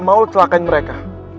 mau celakain mereka